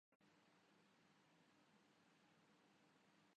ابوبکر جنتی ہیں